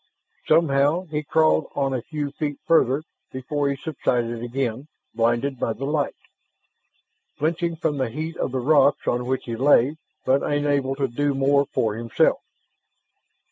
Somehow he crawled on a few feet farther before he subsided again, blinded by the light, flinching from the heat of the rocks on which he lay, but unable to do more for himself.